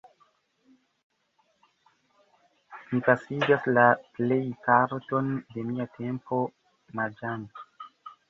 Mi pasigas la plejparton de mia tempo naĝante.